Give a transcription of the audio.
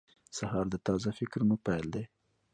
سهار د تازه فکرونو پیل دی.